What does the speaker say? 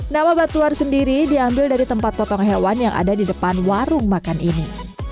nama batuar sendiri diambil dari tempat potong hewan yang ada di depan warung makan ini